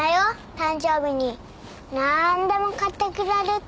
誕生日になあんでも買ってくれるって。